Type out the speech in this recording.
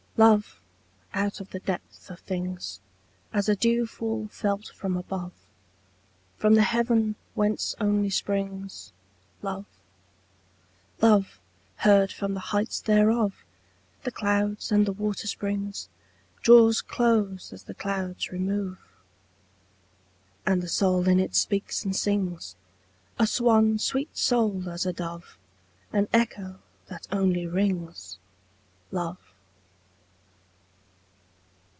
LOVE, out of the depth of things, As a dewfall felt from above, From the heaven whence only springs Love, Love, heard from the heights thereof, The clouds and the watersprings, Draws close as the clouds remove. And the soul in it speaks and sings, A swan sweet souled as a dove, An echo that only rings Love.